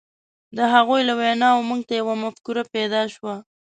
د هغوی له ویناوو موږ ته یوه مفکوره پیدا شوه.